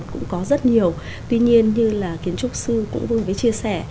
cũng có rất nhiều tuy nhiên như là kiến trúc sư cũng vương vế chia sẻ